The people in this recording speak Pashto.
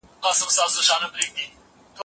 د پوهنتون اصول د بل پوهنتون په پرتله بېل دي.